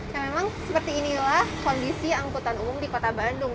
ya memang seperti inilah kondisi angkutan umum di kota bandung